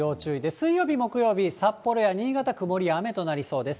水曜日、木曜日、札幌や新潟、曇りや雨になりそうです。